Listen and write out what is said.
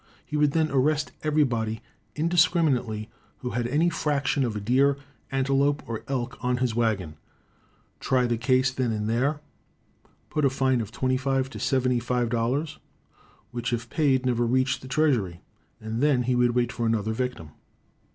He would then arrest everybody indiscriminately who had any fraction of a deer, antelope or elk on his wagon, try the case then and there, put on a fine of $25 to $75, which if paid never reached the treasury, and then he would wait for another victim.